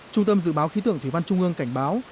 trung tâm dự báo khí tượng thủy văn trung ương cảnh báo